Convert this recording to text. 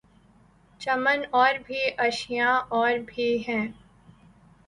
چمن اور بھی آشیاں اور بھی ہیں